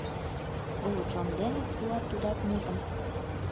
Уло чон дене пуа тудат мутым.